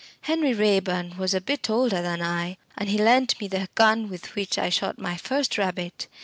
Henry Raeburn was a bit older than I, and he lent me the gun with which I shot my first rabbit.